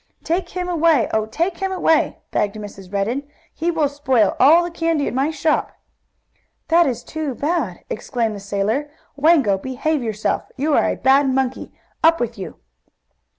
"Take him away! Oh, take him away!" begged Mrs. Redden. "He will spoil all the candy in my shop!" "This is too bad!" exclaimed the sailor, "Wango, behave yourself! You are a bad monkey! Up with you!"